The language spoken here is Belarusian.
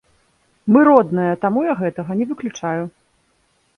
Мы родныя, таму я гэтага не выключаю.